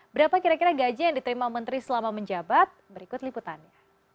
berapa kira kira gaji yang diterima menteri selama menjabat berikut liputannya